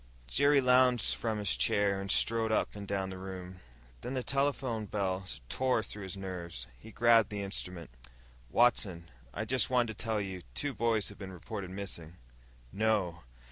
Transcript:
Jerry lunged from his chair and strode up and down the room. Then the telephone bell tore through his nerves. He grabbed the instrument. "Watson. I just wanted to tell you, two boys have been reported missin'." "No!"